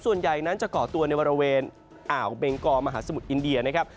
ส่วนใหญ่นั้นจะก่อตัวในบริเวณอ่าวเบงกอมหาสมุทรอินเดียนะครับ